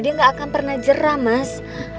dia gak akan pernah jera mas